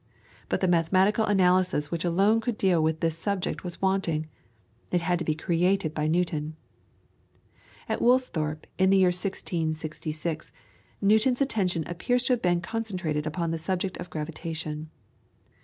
But the mathematical analysis which alone could deal with this subject was wanting; it had to be created by Newton. At Woolsthorpe, in the year 1666, Newton's attention appears to have been concentrated upon the subject of gravitation.